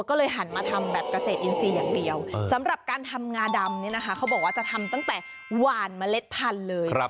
ก็เลยหันมาทำแบบเกษตรอินทรีย์อย่างเดียวสำหรับการทำงาดำเนี่ยนะคะเขาบอกว่าจะทำตั้งแต่หวานเมล็ดพันธุ์เลย